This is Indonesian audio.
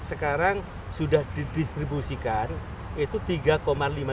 sekarang sudah didistribusikan itu tiga lima juta